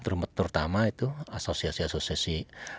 terutama itu asosiasi asosiasi